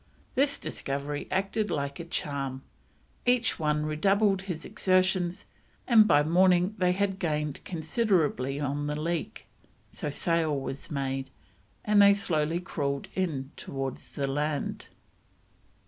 This discovery acted like a charm: each one redoubled his exertions, and by morning they had gained considerably on the leak, so sail was made, and they slowly crawled in towards the land.